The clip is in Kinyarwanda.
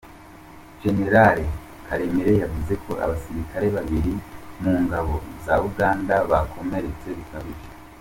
Gen Karemire yavuze ko abasirikare babiri mu ngabo za Uganda bakomeretse bikabije.